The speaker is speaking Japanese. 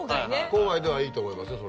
郊外ではいいと思いますよ。